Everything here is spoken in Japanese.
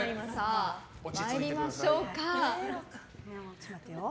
参りましょうか。